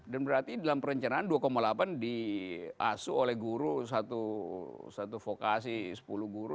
dan berarti dalam perencanaan dua delapan di asu oleh guru satu vokasi sepuluh guru